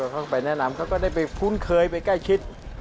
เขาก็ไปแนะนำเขาก็ได้ไปคุ้นเคยไปใกล้ชิด